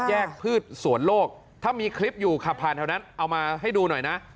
พืชสวนโลกถ้ามีคลิปอยู่ขับผ่านแถวนั้นเอามาให้ดูหน่อยนะ